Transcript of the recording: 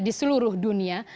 di seluruh dunia